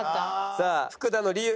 さあ福田の理由。